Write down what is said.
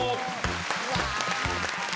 うわ！